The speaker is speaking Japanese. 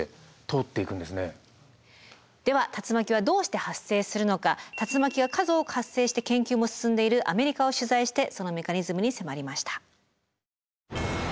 では竜巻はどうして発生するのか竜巻が数多く発生して研究も進んでいるアメリカを取材してそのメカニズムに迫りました。